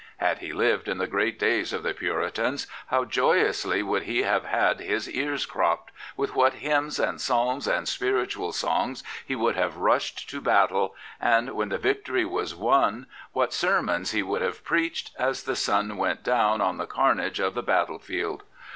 Had he lived in the great days of the Puritans, how joyously would he have had his ears cropped, with what h5mins and psalms and spirituaf songs he would have rushed to battle, and, when the victory was won, what sermons he would have preached as the sun went down on the carnage of the battle field!